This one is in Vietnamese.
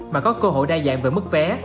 mà có cơ hội đa dạng về mức vé